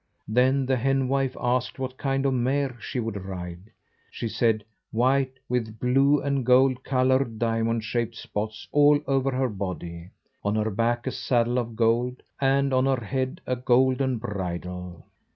Then the henwife asked what kind of a mare she would ride. She said white, with blue and gold coloured diamond shaped spots all over her body, on her back a saddle of gold, and on her head a golden bridle.